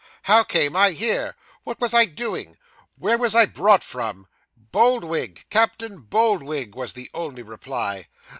'How came I here? What was I doing? Where was I brought from?' Boldwig! Captain Boldwig!' was the only reply.